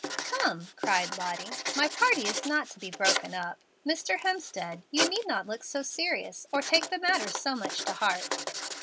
"Come," cried Lottie, "my party is not to be broken up. Mr. Hemstead, you need not look so serious or take the matter so much to heart.